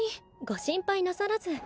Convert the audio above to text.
ご心配なさらず。